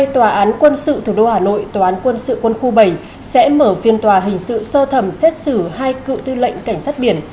tòa án quân sự quân khu bảy sẽ mở phiên tòa hình sự sơ thẩm xét xử hai cựu tư lệnh cảnh sát biển